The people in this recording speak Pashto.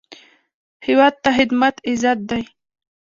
هیواد ته خدمت عزت دی